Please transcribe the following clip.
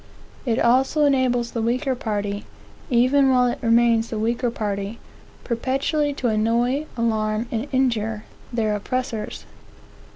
It also enables the weaker party, even while it remains the weaker party, perpetually to annoy, alarm, and injure their oppressors.